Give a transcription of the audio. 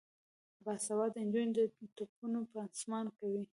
باسواده نجونې د ټپونو پانسمان کوي.